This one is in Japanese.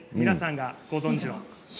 皆さんがご存じの。